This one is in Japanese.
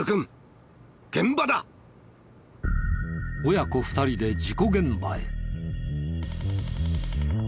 親子２人で事故現場へ。